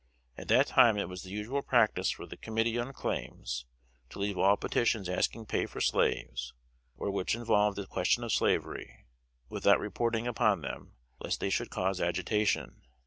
At that time it was the usual practice for the committee on Claims to leave all petitions asking pay for slaves, or which involved the question of slavery, without reporting upon them, lest they should cause agitation.